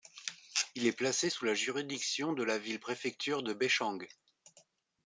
Il est placé sous la juridiction de la ville-préfecture de Baicheng.